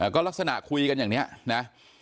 ก็ลักษณะคุยกันอย่างนี้นะ